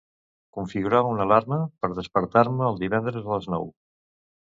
Configurar una alarma per despertar-me el divendres a les nou.